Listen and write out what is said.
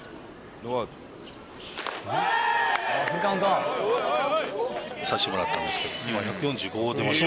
ノーアウト」見させてもらったんですけど今１４５出ました。